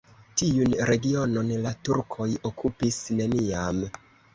Tiun regionon la turkoj okupis neniam.